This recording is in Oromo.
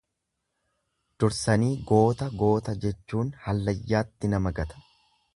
Dursanii goota goota jechuun hallayyatti nama gata.